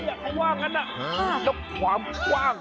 เขาว่าเล่นกันน่ะแล้วกับความกว้าง